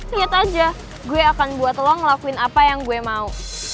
liat aja gue akan buat lo ngelakuin apa yang gue mau